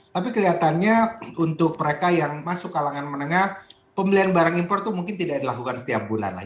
tapi kelihatannya untuk mereka yang masuk kalangan menengah pembelian barang impor itu mungkin tidak dilakukan setiap bulan lah